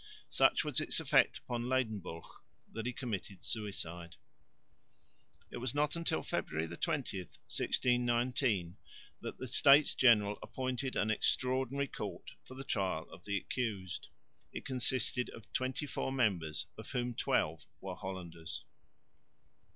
Such was its effect upon Ledenburg that he committed suicide. It was not until February 20, 1619, that the States General appointed an extraordinary court for the trial of the accused. It consisted of twenty four members, of whom twelve were Hollanders.